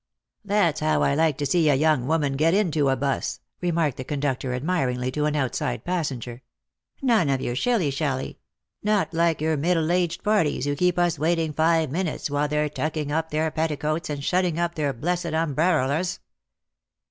"That's how I like to see a young woman get into a 'bus," remarked the conductor admiringly to an outside passenger; " none of your shilly shally : not like your middle aged parties, who keep us waiting five minutes while they're tucking up their petticoats, and shutting up their blessed umberellers."